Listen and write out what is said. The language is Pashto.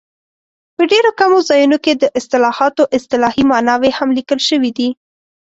په ډېرو کمو ځایونو کې د اصطلاحاتو اصطلاحي ماناوې هم لیکل شوي دي.